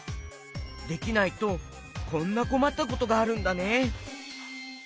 できないとこんなこまったことがあるんだね。